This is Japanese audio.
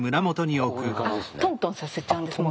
トントンさせちゃうんです。